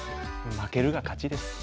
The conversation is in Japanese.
負けるが勝ちです。